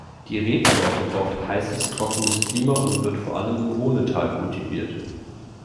Die Rebsorte braucht heißes, trockenes Klima und wird vor allem im Rhonetal kultiviert.